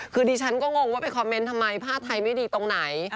คือดิฉันก็งงว่าไปคอมเมนต์ทำไมผ้าไทยไม่ดีตรงไหน